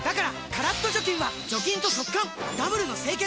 カラッと除菌は除菌と速乾ダブルの清潔！